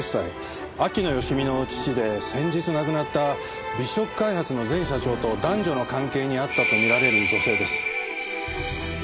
秋野芳美の父で先日亡くなった美食開発の前社長と男女の関係にあったと見られる女性です。